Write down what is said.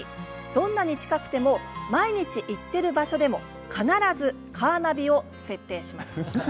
どんなに近くても毎日行ってる場所でも必ずカーナビを設定します。